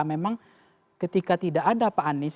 memang ketika tidak ada pak anies